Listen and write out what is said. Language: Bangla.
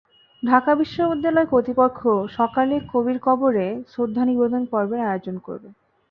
ঢাকা বিশ্ববিদ্যালয় কর্তৃপক্ষ সকালে কবির কবরে শ্রদ্ধা নিবেদন পর্বের আয়োজন করবে।